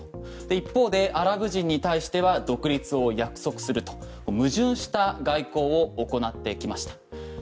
一方でアラブ人に対しては独立を約束すると矛盾した外交を行ってきました。